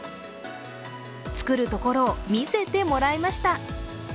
作るところを見せてもらいました。